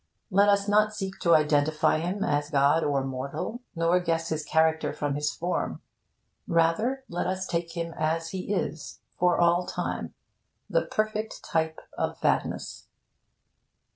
Let us not seek to identify him as god or mortal, nor guess his character from his form. Rather, let us take him as he is; for all time the perfect type of fatness.